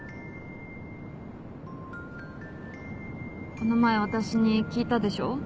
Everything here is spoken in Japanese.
この前私に聞いたでしょ？